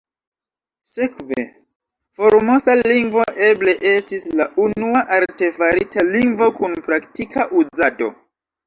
Sekve, Formosa lingvo eble estis la unua artefarita lingvo kun praktika uzado.